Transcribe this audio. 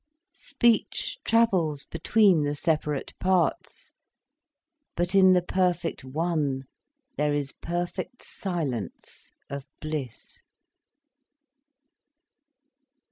Speech travels between the separate parts. But in the perfect One there is perfect silence of bliss.